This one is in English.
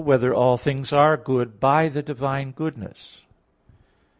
4] Whether All Things Are Good by the Divine Goodness?